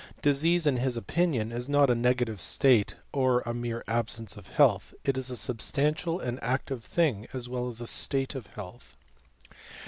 Disease, in his opinion, is not a :gative state or a mere absence of health, it is a bstantial and active thing as well as a state of lalth.